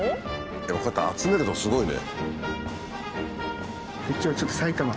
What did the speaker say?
でもこうやって集めるとすごいね。